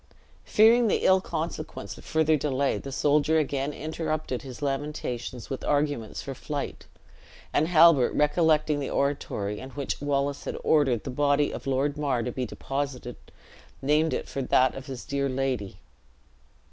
Fearing the ill consequence of further delay, the soldier again interrupted his lamentations with arguments for flight; and Halbert recollecting the oratory in which Wallace had ordered the body of Lord Mar to be deposited, named it for that of his dear lady.